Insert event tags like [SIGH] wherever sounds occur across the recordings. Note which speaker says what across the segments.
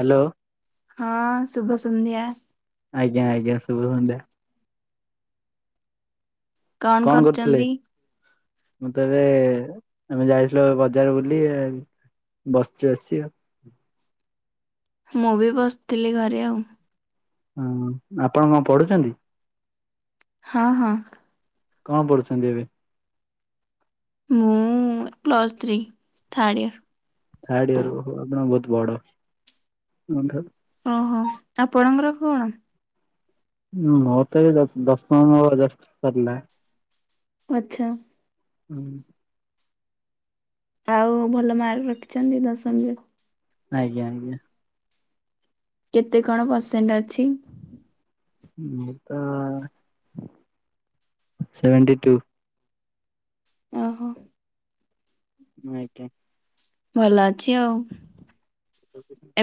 Speaker 1: Hello.
Speaker 2: ହଁ ଶୁଭ ସନ୍ଧ୍ୟା।
Speaker 1: ଆଜ୍ଞା ଆଜ୍ଞା ଶୁଭ ସନ୍ଧ୍ୟା। କଣ କରୁଥିଲେ? ମୁଁ ତ ଏବେ ଆମେ ଯାଇଥିଲୁ ବଜାର ବୁଲି। ବସ୍ତି ଅଛି ଆଉ
Speaker 2: ମୁଁ ବି ବସିଥିଲି ଘରେ ଆଉ
Speaker 1: ହୁଁ ଆପଣ କଣ ପଢୁଛନ୍ତି?
Speaker 2: ହଁ ହଁ।
Speaker 1: କଣ ପଡୁଛନ୍ତି ଏବେ?
Speaker 2: ମୁଁ plus three third year.
Speaker 1: Third year ଓହୋ ଆପଣ ବହୁତ ବଡ଼ ମୋ ଠାରୁ।
Speaker 2: ଓହୋ ଆପଣଙ୍କର କଣ?
Speaker 1: ହୁଁ ମୋର ତ୍ ଏବେ ଦଶ ଦଶମ ଜଷ୍ଟ ସରିଲା।
Speaker 2: ଆଚ୍ଛା।
Speaker 1: ହୁଁ।
Speaker 2: ଆଉ ଭଲ ମାର୍କ ରଖିଛନ୍ତି ଦଶମରେ?
Speaker 1: ଆଜ୍ଞା ଆଜ୍ଞା।
Speaker 2: କେତେ କଣ ପର୍ସେଣ୍ଟ ଅଛି?
Speaker 1: ମୁଁ ତ ସେଭେଣ୍ଟି ଟୁ।
Speaker 2: ଅହ।
Speaker 1: ଆଜ୍ଞା।
Speaker 2: ଭଲ ଅଛି ଆଉ।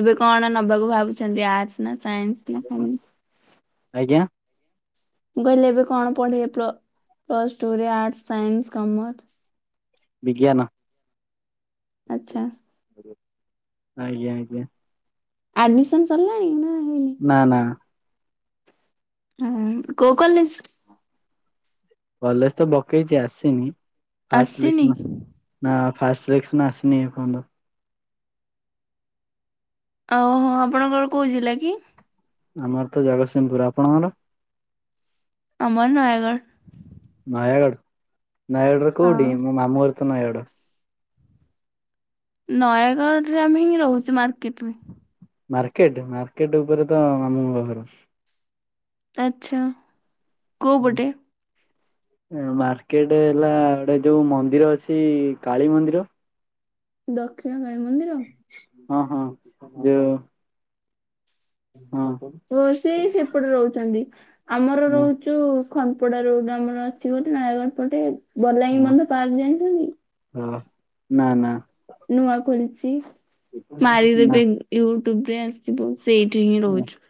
Speaker 2: ଏବେ କଣ ନବାକୁ ଭାବୁଛନ୍ତି ଆର୍ଟସ୍? ନା ସାଇନ୍ସ ନା କନ?
Speaker 1: ଆଜ୍ଞା?
Speaker 2: ମୁଁ କହିଲି ଏବେ କଣ ପଢ଼ିବେ ପ୍ଲ-ପ୍ଲସ୍ ଟୁରେ ଆର୍ଟସ, ସାଇନ୍ସ, କମର୍।
Speaker 1: ବିଜ୍ଞାନ
Speaker 2: ଆଚ୍ଛା
Speaker 1: ଆଜ୍ଞା ଆଜ୍ଞା।
Speaker 2: ଆଡମିସନ ସରଲାଣି ନା ହେଇନି।
Speaker 1: ନା ନା।
Speaker 2: ହୁଁ କୋଉ କଲେଜ୍?
Speaker 1: କଲେଜ ତ ପକେଇଚି ଆସିନି ଫାଷ୍ଟ ସିଲେକ୍ସନ।
Speaker 2: ଆସିନି?
Speaker 1: ନା ଫାଷ୍ଟ ସିଲେସ୍କନ ଆସିନେଇ ଏପର୍ଯ୍ୟନ୍ତ।
Speaker 2: ଓହୋ ଆପଣଙ୍କର କୋଉ ଜିଲ୍ଲା କି?
Speaker 1: ଆମର ତ ଜଗତସିଂହପୁର ଆପଣଙ୍କର?
Speaker 2: ଆମର ନୟାଗଡ଼।
Speaker 1: ନୟାଗଡ଼ ନୟାଗଡ଼ର
Speaker 2: ହଁ।
Speaker 1: କୋଉଠି ମୋ ମାମୁଁଘର ତ ନୟାଗଡ଼।
Speaker 2: ନୟାଗଡ଼ରେ ଆମେ ହିଁ ରହୁଚୁ ମାର୍କେଟରେ।
Speaker 1: ମାର୍କେଟ ମାର୍କେଟ ଉପରେ ତ ମାମୁଁଙ୍କ ଘର।
Speaker 2: ଆଚ୍ଛା। କୋଉ
Speaker 1: ହୁଁ।
Speaker 2: ପଟେ?
Speaker 1: ଏ ମାର୍କେଟ ହେଲା ଗୋଟେ ଯୋଉ ମନ୍ଦିର ଅଛି କାଳୀ ମନ୍ଦିର
Speaker 2: ଦକ୍ଷିଣକାଳୀ ମନ୍ଦିର?
Speaker 1: ହଁ ହଁ ଯେଉ ଆପଣଙ୍କର କୋଉଠି?
Speaker 2: ଓ ସେଇ ସେପଟେ ରହୁଚନ୍ତି ଆମର
Speaker 1: ହଁ
Speaker 2: ରହୁ ଯୋଉ ଖଣ୍ଡପଡାରେ ଗୋଟେ ଆମର ଅଛି ଗୋଟେ ନୟାଗଡ଼ ପଟେ ବଲାଙ୍ଗୀ ମଧ୍ୟ ପାର୍କ ଜାଣିଛନ୍ତି
Speaker 1: ହୋ ନା ନା।
Speaker 2: ନୂଆ ଖୋଲଚି
Speaker 1: ନା
Speaker 2: ମାରିଦେବେ ୟୁଟ୍ୟୁବରେ ଆସିିବ। ସେଇଠି ହିଁ ରହୁଚୁ।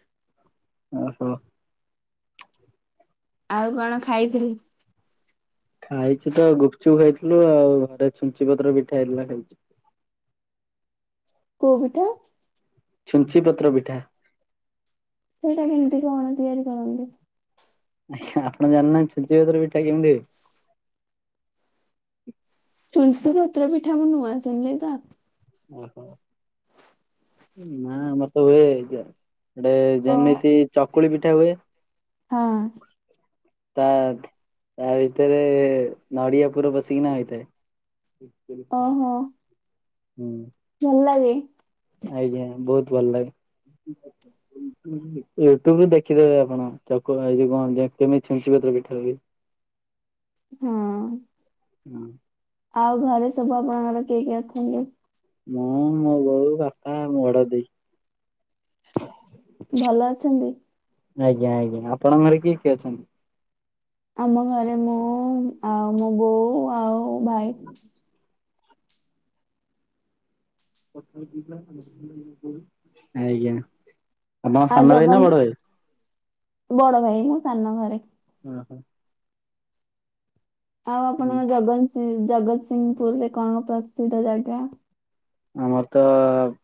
Speaker 1: ଓହୋ।
Speaker 2: ଆଉ କଣ ଖାଇଥିଲେ?
Speaker 1: ଖାଇଚି ତ ଏଇ ଗୁପଚୁପ୍ ଖାଇଥିଲୁ ଆଉ ଘରେ ଛୁଞ୍ଚି ପତ୍ର ପିଠା ହେଇଥିଲା ଖାଇଚି।
Speaker 2: କୋଉ ପିଠା?
Speaker 1: ଛୁଞ୍ଚି ପତ୍ର ପିଠା।
Speaker 2: ସେଇଟା କେମତି କଣ ତିଆରି କରନ୍ତି?
Speaker 1: ଆଜ୍ଞା ଆପଣ ଜାଣିନାହାନ୍ତି ଛୁଞ୍ଚି ପତ୍ର ପିଠା କେମିତି ହୁଏ।
Speaker 2: ଛୁଞ୍ଚି ପତ୍ର ପିଠା ମୁଁ ନୂଆଁ ଶୁଣିଲି ତ।
Speaker 1: ଓହୋ ନା ଆମର ତ ହୁଏ ଏଇ ଯେ ଗୋଟେ
Speaker 2: ଓ
Speaker 1: ଯେମିତି ଚକୁଳି ପିଠା ହୁଏ
Speaker 2: ହଁ।
Speaker 1: ତା ଥେ ତା ଭିତରେ ନଡିଆ ପୁର ପସିକିନା ହେଇଥାଏ।
Speaker 2: ଓହୋ।
Speaker 1: ହୁଁ।
Speaker 2: ଭଲଲାଗେ?
Speaker 1: ଆଜ୍ଞା ବୋହୁତ ଭଲ ଲାଗେ। ୟୁଟ୍ୟୁବରୁ ଦେଖିଦେବେ ଆପଣ ଚକୁଳି ଆ ଏଇ ଯୋଉ କଣତି କେମିତ ଛୁଞ୍ଚି ପତ୍ର ପିଠା ହୁଏ।
Speaker 2: ହଁ
Speaker 1: ହଁ
Speaker 2: ଆଉ ଘରେ ସବୁ ଆପଣଙ୍କର କିଏ କିଏ ଅଛନ୍ତି?
Speaker 1: ମୁଁ, ମୋ ବୋଉ, ବାପା, ବଡ ଦେଇ।
Speaker 2: ଭଲ ଅଛନ୍ତି?
Speaker 1: ଆଜ୍ଞା ଆଜ୍ଞା ଆପଣଙ୍କ ଘରେ କିଏ କିଏ ଅଛନ୍ତି?
Speaker 2: ଆମ ଘରେ ମୁଁ, ଆଉ ମୋ ବୋଉ, ଆଉ ଭାଇ।
Speaker 1: ଆଜ୍ଞା। ଆପଣ
Speaker 2: ଆଉ
Speaker 1: ସାନ ଭାଇ ନା
Speaker 2: ଜଗନ୍
Speaker 1: ବଡ ଭାଇ?
Speaker 2: ବଡ ଭାଇ ମୁଁ ସାନ ଘରେ
Speaker 1: ଓୁ ହୋଁ
Speaker 2: ଆଉ ଆପଣଙ୍କ ଜଗସି ଜଗତସିଂହପୁରରେ କଣ ପ୍ରସିଦ୍ଧ ଜାଗା?
Speaker 1: ଆମର ତ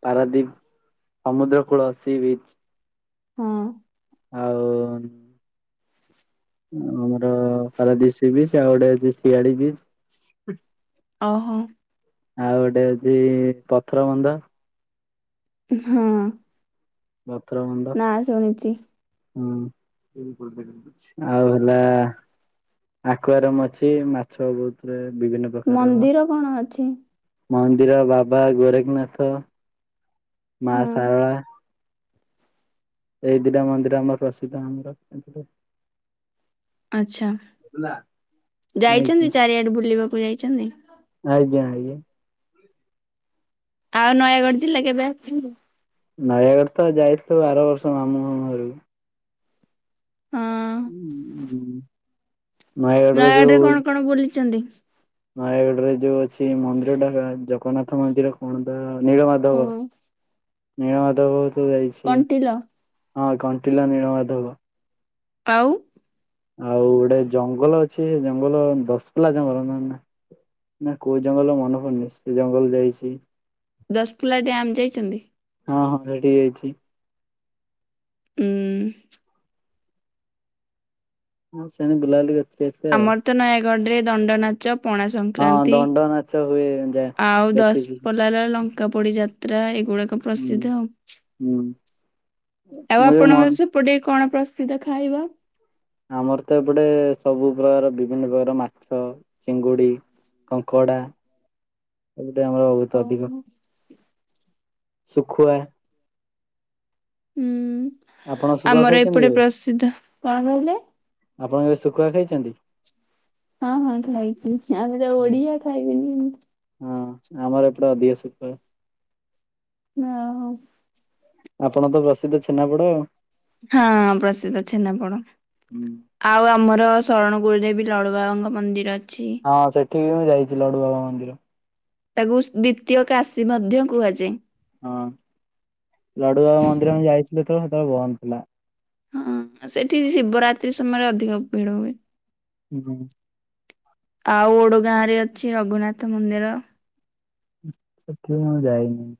Speaker 1: ପାରାଦୀପ ସମୁଦ୍ର କୂଳ ସି ବିଚ
Speaker 2: ହଁ
Speaker 1: ଆଉ ଆମର ପାରାଦିଶୀ ବିଚ୍ ଆଉ ଗୋଟେ ଅଛି ଶିଆଳି ବିଚ୍
Speaker 2: ଓହୋ
Speaker 1: ଆଉ ଗୋଟେ ଅଉଛି ପଥର ବନ୍ଧ
Speaker 2: ଉ ହଁ
Speaker 1: ପଥର ବନ୍ଦ
Speaker 2: ନା ଶୁଣିଛି
Speaker 1: [INAUDIBLE] ହୁଁ ଆଉ ହେଲା ଆକୁଆରମ୍ ଅଛି ମାଛ ବହୁତରେ ବିଭିନ୍ନ ପ୍ରକାରର।
Speaker 2: ମନ୍ଦିର କଣ ଅଛି?
Speaker 1: ମନ୍ଦିର ବାବା ଗୋରେଖନାଥ ମା
Speaker 2: ହଁ।
Speaker 1: ସାରଳା ଏଇ ଦିଟା ମନ୍ଦିର ଆମର ପ୍ରସିଦ୍ଧ ଆମର ଏପଟେ
Speaker 2: ଆଛା
Speaker 1: ଆଜ୍ଞା
Speaker 2: ଯାଇଛନ୍ତି ଚାରିଆଡେ ବୁଲିବାକୁ ଯାଇଛନ୍ତି।
Speaker 1: ଆଜ୍ଞା ଆଜ୍ଞ
Speaker 2: ଆଉ ନୟାଗଡ଼ ଜିଲ୍ଲା କେବେ ଆସିବୁ
Speaker 1: ନୟାଗଡ଼ ତ ଯାଇଥିଲି ଆର ବର୍ଷ ମାମୁଁ ମଁ ଘରକୁ
Speaker 2: ହଁ
Speaker 1: ହୁଁ ହୁ
Speaker 2: ନୟାଗଡ ରେ କଣ କଣ ବୁଲିଛନ୍ତି?
Speaker 1: ନୟାଗଡ଼ ରେ ଯୋଉ ଅଛି ମନ୍ଦିର ଟା ଜଗନ୍ନାଥ ମନ୍ଦିର କଣ ତ ନୀଳମାଧବ
Speaker 2: ହଁ
Speaker 1: ନୀଳ ମାଧବ ସବୁ ଯାଇଛି
Speaker 2: କଣ୍ଟିିଲ
Speaker 1: ହଁ କଣ୍ଟିଲ ନୀଳମାଧବ
Speaker 2: ଆଉ
Speaker 1: ଆଉ ଗୋଟେ ଜଙ୍ଗଲ ଅଛି ଜଙ୍ଗଲ ଦଶ ପିଲଲା ଜଙ୍ଗଲ ନ ନା ନା କୋଉ ଜଙ୍ଗଲ ମନେ ପଡୁନି ସେ ଜଙ୍ଗଲ ଯାଇଛି
Speaker 2: ଦଶପଲା ଡ୍ୟମ୍ ଯାଇଛନ୍ତି।
Speaker 1: ହଁ ହଁ ସେଠିକି ଯାଇଛି
Speaker 2: ହୁଁ।
Speaker 1: ହଁ ସେଣେ ବୁଲାବୁଲି କରିଛି କେତେ ଆଉ
Speaker 2: ଆମର ତ ନୟାଗଡ଼ ରେ ଦଣ୍ଡନାଚ ପଣାସ
Speaker 1: ହଁ
Speaker 2: ସଂକ୍ରାନ୍ତି
Speaker 1: ଦଣ୍ଡ ନାଚ ହୁଏ ଯା
Speaker 2: ଆଉ
Speaker 1: ଦେଖିଛି
Speaker 2: ଦଶପଲ୍ଲାରେ ଲଂ ଙ୍କାପୋଡି ଯାତ୍ରା ଏଗୁଡାକ
Speaker 1: ହୁଁ
Speaker 2: ପ୍ରସିଦ୍ଧ ଆଉ
Speaker 1: ହୁଁ
Speaker 2: ଆଉ
Speaker 1: ମୁଁ ଯୋଉ
Speaker 2: ଆପଣଙ୍କ
Speaker 1: ମନ୍
Speaker 2: ସେ ପଟେ କଣ ପ୍ରସିଦ୍ଧ ଖାଇବା?
Speaker 1: ଆମର ତ ଏପଟେ ସବୁ ପ୍ରକାର ବିଭିନ୍ନ ପ୍ରକାର ମାଛ ଚିଙ୍ଗୁଡି କଙ୍କଡା ଏପଟେ ଆମର ବହୁତ ଅଧିକ।
Speaker 2: ଓହୋ
Speaker 1: ସୁଖୁଆ।
Speaker 2: ହୁଉଁ
Speaker 1: ଆପଣ ଶୁଖୁଆ
Speaker 2: ଆମର
Speaker 1: ଖାଇଛନ୍ତି
Speaker 2: ଏପଟେ
Speaker 1: କେବେ?
Speaker 2: ପ୍ରସିଦ୍ଧ କଣ କହିଲେ?
Speaker 1: ଆପଣ କେବେ ଶୁଖୁଆ ଖାଇଛନ୍ତି?
Speaker 2: ହଁ ହଁ ଖାଇଛିି ଆମେ ତ ଓଡିଆ ଖାଇବିନି କେମତି
Speaker 1: ହଁ ଆମର ଏପଟେ ଅଧିକ ସୁଖୁଆ।
Speaker 2: ଓହୋ।
Speaker 1: ଆପଣଙ୍କ ତ ପ୍ରସିଦ୍ଧ ଛେନାପୋଡ।
Speaker 2: ହଁ ପ୍ରସିଦ୍ଧ ଛେନାପୋଡ଼। ଆଉ ଆମର ଶରଣ ଗୁରୁଦେବୀ ଲଡ଼ୁବାବାଙ୍କ ମନ୍ଦିର ଅଛି।
Speaker 1: ହଁ ସେଠିକି ବି ମୁଁ ଯାଇଛି ଲଡୁ ବାବା ମନ୍ଦିର।
Speaker 2: ତାକୁ ସ ଦ୍ଵିତୀୟ କାଶୀ ମଧ୍ୟ କୁହାଯାଏ।
Speaker 1: ହଁ ଲଡୁବାବା ମନ୍ଦିର ଆମେ ଯାଇଥିଲି ଯେତେବେଳେ ସେତେବେଳେ ବନ୍ଦ ଥିଲା।
Speaker 2: ହଁ ସେଠି ଶିବରାତି ସମୟରେ ଅଧିକ ଭିଡ ହୁଏ।
Speaker 1: ହୁଁ ହୁ।
Speaker 2: ଆଉ ଓଡଗାଁ ରେ ଅଛି ରଘୁନାଥ ମନ୍ଦିର।
Speaker 1: ସେଠିକୁ ମୁଁ ଆଉ ଯାଇନି।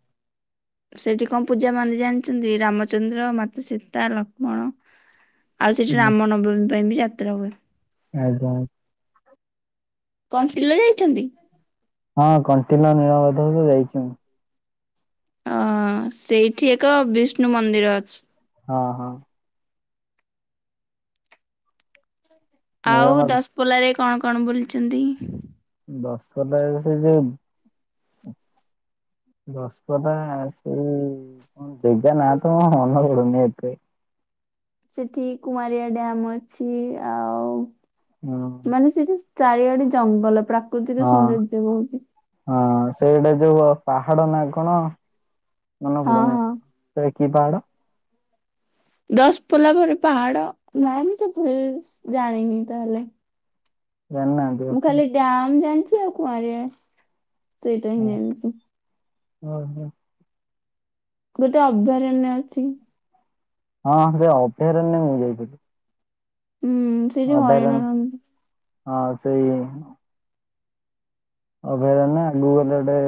Speaker 2: ସେଠି କଣ ପୂଜା ପାଆନ୍ତି ଜାଣିଛନ୍ତି ରାମଚନ୍ଦ୍ର ମାତା ସୀତା ଲକ୍ଷ୍ମଣ ଆଉ ସେଇଠି
Speaker 1: ହୁଁ
Speaker 2: ରାମନବମୀ ପାଇଁ ବି ଯାତ୍ରା ହୁଏ।
Speaker 1: ଆଞା।
Speaker 2: କଣ୍ଟିଲୋ ଯାଇଛନ୍ତି?
Speaker 1: ହଁ କଣ୍ଟିଲୋ ନୀଳବମାଧତ ଯାଇଛି ମୁଁ।
Speaker 2: ଆଁ ସେଇଠି ଏକ ବିଷ୍ଣୁ ମନ୍ଦିର ଅଛି।
Speaker 1: ହଁ ହଁ।
Speaker 2: ଆଉ
Speaker 1: ନୀଳମାଧବ
Speaker 2: ଦଶପୋଲ୍ଲା ରେ କଣ କଣ ବୁଲିଛନ୍ତି?
Speaker 1: ଦଶପଲ୍ଲାରେ ଯେ ସେ ଯୋଉ ଦଶପଲ୍ଲା ସେଇ କଣ ଜେଗା ନା ଟା ମନେ ପଡୁନି ଏତେ।
Speaker 2: ସେଠି କୁଆଁରିଆ ଡ୍ୟାମ ଅଛି ଆଉ
Speaker 1: ହଁ।
Speaker 2: ମାନେ ସେଠି ଚାରିଆଡେ ଜଙ୍ଗଲ ପ୍ରାକୃତିକ
Speaker 1: ହଁ
Speaker 2: ସୌନ୍ଦର୍ଯ୍ୟ ବହୁଛି।
Speaker 1: ହଁ ସେଇଟା ଯୋଉ ଆ ପାହାଡ ନା କଣ ମନେ
Speaker 2: ହଁ
Speaker 1: ପଡୁନି
Speaker 2: ହଁ
Speaker 1: ସେ କି ପାହାଡ?
Speaker 2: ଦଶପଲ୍ଲା ପରେ ପାହାଡ ନାଇନି ତ ଫି ସ ଜାଣିନି ତାହେଲେ
Speaker 1: ଜାଣିନାହାନ୍ତି?
Speaker 2: ମୁଁ
Speaker 1: ଆପଣ?
Speaker 2: ଖାଲି ଡ୍ୟାମ ଜାଣିଛି ଆଉ କୁଆଁରିଆ ସେଇଟା ହିଁ ଜାଣିଛି।
Speaker 1: ଓହୋ।
Speaker 2: ଗୋଟେ ଅଭୟାରଣ୍ୟ ଅଛି।
Speaker 1: ହଁ ଯୋଉ ଅପୟାରଣ୍ୟ ମୁଁ ଯାଇଥିଲି।
Speaker 2: ହୁଁ। ସେଇଠି ହରିଣ
Speaker 1: ଅଭୟାରଣ୍ୟ
Speaker 2: ରହନ୍ତି।
Speaker 1: ହଁ ସେଇ ଅଭୟାରଣ୍ୟ ଆଗକୁ ଗଲେ [UNINTELLIGIBLE]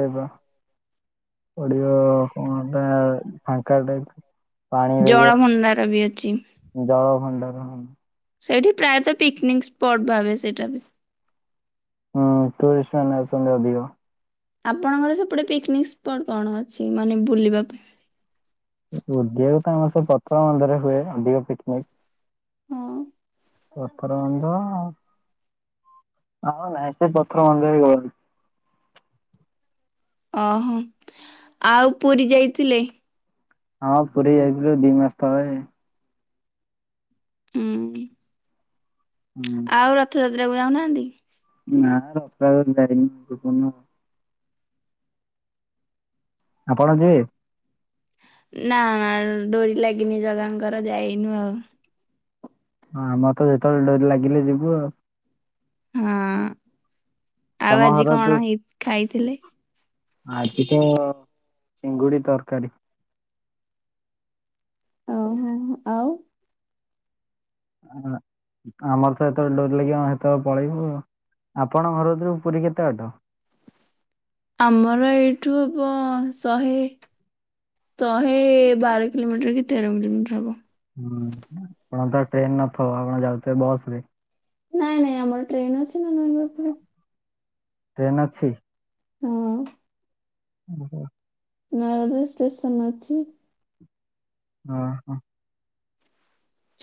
Speaker 1: ପଡିିବ କଣ ଗାଁ ଫାଙ୍କା ଟାଇପ ର
Speaker 2: ଜଳ ଭଣ୍ଡାର ବି ଅଛି।
Speaker 1: ଜଳଭଣ୍ଡାର ହଁ।
Speaker 2: ସେଇଠି, ପ୍ରାୟତଃ ପିକନିକ ସ୍ପଟ ଭାବେ ସେଇଟା ବ
Speaker 1: ହୁଁ, ଟୁରିଷ୍ଟ ମାନେ ଆସନ୍ତି ଅଧିକ।
Speaker 2: ଆପଣଙ୍କର ସେପଟେ ପିକନିକ ସ୍ପଟ କଣ ଅଛି? ମାନେ ବୁଲିବା ପାଇଁ।
Speaker 1: ଓଦଆକୁ ତ ଆମର ସେ ପଥ୍ର ମନ୍ଦିରେ ହୁଏ ଅଧିକ ପିକନିକ
Speaker 2: ହଁ।
Speaker 1: ଅଠର ମଞ୍ଜ। ଆମର ନାଇଁ ସେ ପଥମ ମନ୍ଦିର ଗଳି।
Speaker 2: ଓହୋ ଆଉ ପୁରୀ ଯାଇଥିଲେ?
Speaker 1: ହଁ, ପୁରୀ ଯାଇଥିଲୁ ଦି ମାସ ତଳେ।
Speaker 2: ହୁଁ।
Speaker 1: ହୁଁ।
Speaker 2: ଆଉ ରଥଯାତ୍ରା କୁ ଯାଉନାହାନ୍ତି?
Speaker 1: ନାଁ, ରଥଯାତ୍ରା କୁ ଯାଇନି, ଯିବୁନି ଆଉ ଆପଣ ଯିବେ?
Speaker 2: ନାଁ, ଡୋରି ଲାଗିନି ଜଗାଙ୍କର ଯାଇନୁ ଆଉ।
Speaker 1: ହଁ, ଆମର ତ ଯେତେବେଳେ ଡୋରି ଲାଗିଲେ ଯିବୁ ଆଉ।
Speaker 2: ହଁ,
Speaker 1: ତମ
Speaker 2: ଆଉ ଆଜି
Speaker 1: ଘର
Speaker 2: କଣ ହେଇ ଖାଇଥିଲେ?
Speaker 1: ଆଜିତ ଚିଙ୍ଗୁଡି ତରକାରୀ।
Speaker 2: ଓହୋହ ଆଉ
Speaker 1: ହଁ ଆମର ତ ଯେତେବେଳେ ଡୋରି ଲାଗିବ ଆମେ ହେତେବେଳେ ପଳେଇବୁ ଆଉ, ଆପଣଙ୍କ ଘର କତିରୁ ପୁରୀ କେତେ ବାଟ?
Speaker 2: ଆମର ଏଇଠୁ ହବ ଶହେ ଶହେ ବାର କିଲୋମିଟର କି ତେର କିଲୋମିଟର ହବ।
Speaker 1: ହୁଁ, ଆପଣ ତ ଟ୍ରେନ ନଥିବ ଆପଣ ଯାଉଥିବେ ବସରେ।
Speaker 2: ନାଇଁ, ନାଇଁ ଆମର ଟ୍ରେନ ଅଛି ନା ନହେଲେ ବସରେ
Speaker 1: ଟ୍ରେନ ଅଛି।
Speaker 2: ହୁଁ।
Speaker 1: ଓହୋ।
Speaker 2: ନୟାଗଡ଼ ରେ ଷ୍ଟେସନ ଅଛି?
Speaker 1: ଅ ହଁ।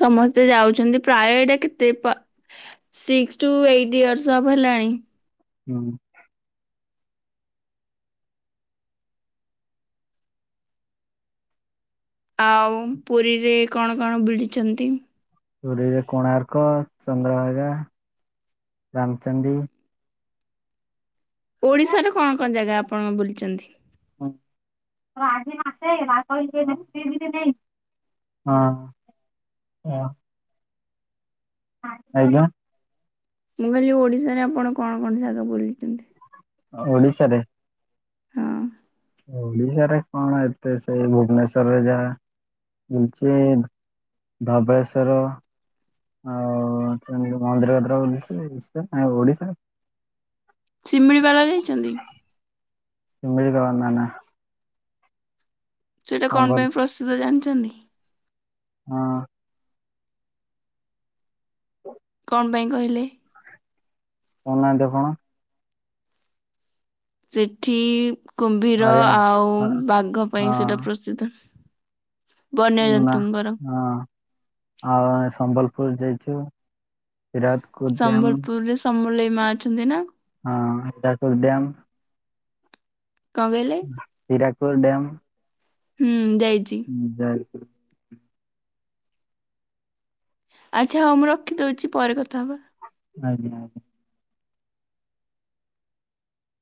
Speaker 2: ସମସ୍ତେ ଯାଉଛନ୍ତି, ପ୍ରାୟ ଏଇଟା କେତେ ପା ସିକ୍ସ ଟୁ ଏଇଟି ଇୟର୍ସ ହବ ହେଲାଣି।
Speaker 1: ହଁ।
Speaker 2: ଆଉ ପୁରୀରେ କଣ କଣ ବିଡିଛନ୍ତି?
Speaker 1: ପୁରୀରେ କୋଣାର୍କ, ଚନ୍ଦ୍ରଭାଗା, ରାମଚଣ୍ଡୀ।
Speaker 2: ଓଡ଼ିଶାର କଣ କଣ ଜାଗା ଆପଣ ବୁଲିଛନ୍ତି?
Speaker 1: ହଁ। ହାଇଲୋ।
Speaker 2: ମୁଁ, କହିଲି ଓଡିଶାରେ ଆପଣ କଣ କଣ ଜାଗା ବୁଲଛନ୍ତି?
Speaker 1: ଓଡିଶାରେ।
Speaker 2: ହଁ।
Speaker 1: ଓଡିଶାରେ କଣ ଏତେ, ସେଇ ଭୁବନେଶ୍ଵରରେ ଯାହା ହଉଚି ଧବଳେଶ୍ୱର। ଆଉ ମନ୍ଦିର ଫନ୍ଦିର ବୁଲିଛି କାଇଁ ଓଡିଶା
Speaker 2: ଶିମିଳିପାଳ ଯାଇଛନ୍ତି।
Speaker 1: ମିଳି ଦ ଅନା ନା
Speaker 2: ସେଇଟା କଣ
Speaker 1: ସମ୍ବଲ
Speaker 2: ପାଇଁ ପ୍ରସିଦ୍ଧ ଜାଣିଛନ୍ତି?
Speaker 1: ହଁ। [INAUDIBLE]
Speaker 2: କଣ ପାଇଁ କହିଲେ?
Speaker 1: କହୁନାହାନ୍ତି ଆପଣ।
Speaker 2: ସେଠି କୁମ୍ଭୀର
Speaker 1: ହରିଣ
Speaker 2: ଆଉ
Speaker 1: ହଁ
Speaker 2: ବାଘ ପାଇଁ ସେଇଟା
Speaker 1: ହଁ
Speaker 2: ପ୍ରସିଦ୍ଧ। ବନ୍ୟଜନ୍ତୁ ଙ୍କର
Speaker 1: ହଁ। ଆ ସମ୍ବଲପୁର ଯାଇଛୁ ହିରାଦ୍
Speaker 2: ସମ୍ବଲପୁରରେ ସମଲେଇ ମା ଅଛନ୍ତି ନା।
Speaker 1: ହଁ ହୀରାକୁଦ ଡ୍ୟାମ।
Speaker 2: କ କଇଲେ?
Speaker 1: ହୀରାକୁଦ ଡ଼୍ୟାମ।
Speaker 2: ହୁଁ ଯାଇଛି।
Speaker 1: ଯାଇଚି।
Speaker 2: ଆଚ୍ଛା ହଉ ମୁଁ ରଖିଦଉଛି ପରେ କଥା ହବା।
Speaker 1: ଆଜ୍ଞା ଆଜ୍ଞା।